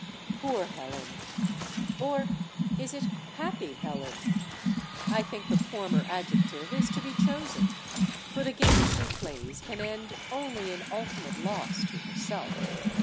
Poor Helen! Or is it happy Helen? I think the former adjective is to be chosen. For the game she plays can end only in ultimate loss to herself.